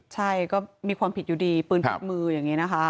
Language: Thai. ใช่ก็มีความผิดอยู่ดีปืนผิดมืออย่างนี้นะคะ